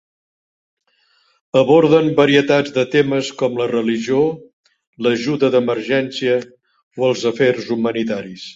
Aborden varietats de temes com la religió, l'ajuda d'emergència o els afers humanitaris.